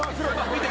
見て！